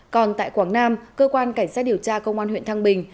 còn tại quảng nam cơ quan cảnh sát điều tra công an huyện thăng bình